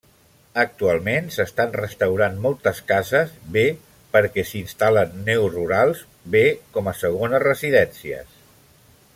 Actualment s'estan restaurant moltes cases, bé perquè s'hi instal·len neorurals, bé com a segones residències.